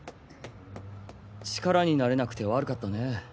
力になれなくて悪かったね。